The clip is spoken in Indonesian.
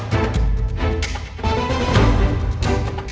kita satu pemahaman satu pikiran